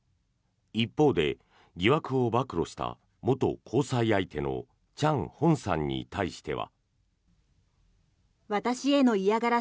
一方で、疑惑を暴露した元交際相手のチャン・ホンさんに対しては。